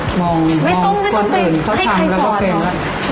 ไม่ต้องไม่ต้องไปให้ใครสอนหรอ